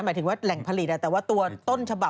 หมายถึงว่าแหล่งผลิตแต่ว่าตัวต้นฉบับ